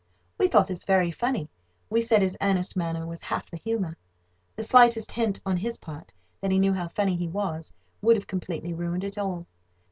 We thought this very funny: we said his earnest manner was half the humour. The slightest hint on his part that he knew how funny he was would have completely ruined it all.